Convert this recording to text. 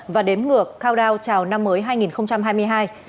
và đếm ngược cao đao chào năm mới hai nghìn hai mươi hai